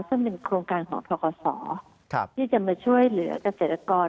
ซึ่งเป็นโครงการของทกศที่จะมาช่วยเหลือกเกษตรกร